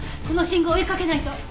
この信号を追いかけないと。